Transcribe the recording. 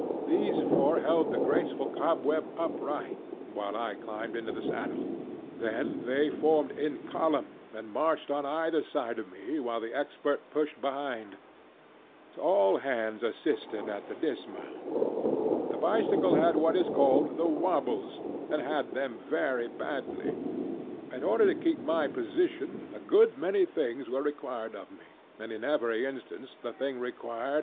These four held the graceful cobweb upright while I climbed into the saddle; then they formed in column and marched on either side of me while the Expert pushed behind; all hands assisted at the dismount. The bicycle had what is called the ŌĆ£wabbles, ŌĆØ and had them very badly. In order to keep my position, a good many things were required of me, and in every instance the thing required was against nature.